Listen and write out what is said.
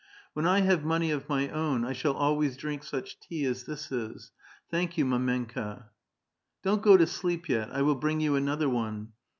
When I have money of my own, I shall always drink such tea as this is. Thank you, mdmenkaJ'* "Don't go to sleep yet; I will bring you another one."